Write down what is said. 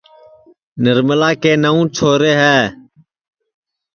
نرملا کے نئوں چھورے ہے